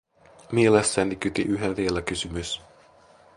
Mielessäni kyti yhä vielä kysymys: